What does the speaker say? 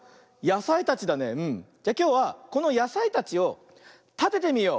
じゃきょうはこのやさいたちをたててみよう。